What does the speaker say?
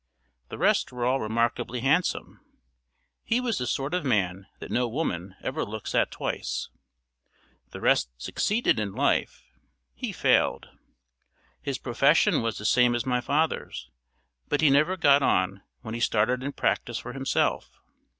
The rest were all remarkably handsome; he was the sort of man that no woman ever looks at twice. The rest succeeded in life; he failed. His profession was the same as my father's, but he never got on when he started in practice for himself.